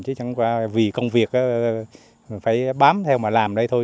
chứ chẳng vì công việc phải bám theo mà làm đây thôi